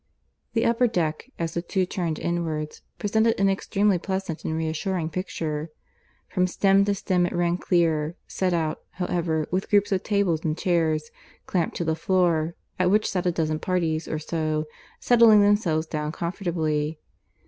The upper deck, as the two turned inwards, presented an extremely pleasant and reassuring picture. From stem to stern it ran clear, set out, however, with groups of tables and chairs clamped to the floor, at which sat a dozen parties or so, settling themselves down comfortably.